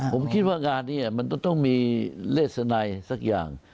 ผมคิดว่าการนี้ต้องมีเลสไนสักอย่าง